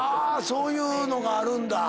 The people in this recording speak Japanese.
そういうのがあるんだ。